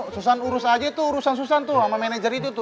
urusan urus aja itu urusan susan tuh sama manajer itu tuh